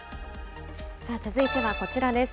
続いてはこちらです。